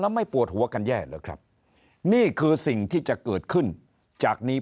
แล้วไม่ปวดหัวกันแย่เหรอครับนี่คือสิ่งที่จะเกิดขึ้นจากนี้